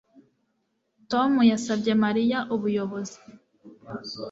Tom yasabye Mariya ubuyobozi